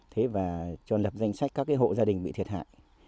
thế và cho lập danh sách các cái hộ gia đình bị thiệt hại